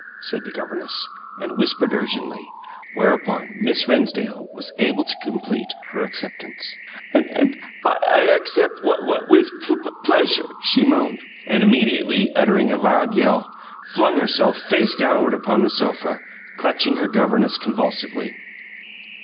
said the governess, and whispered urgently, whereupon Miss Rennsdale was able to complete her acceptance. "And I ac accept wu with pu pleasure!" she moaned, and immediately, uttering a loud yell, flung herself face downward upon the sofa, clutching her governess convulsively.